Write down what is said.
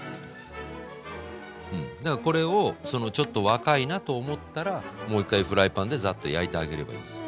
だからこれをちょっと若いなと思ったらもう一回フライパンでザッと焼いてあげればいいです。